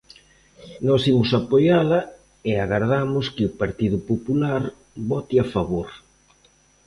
Nós imos apoiala e agardamos que o Partido Popular vote a favor.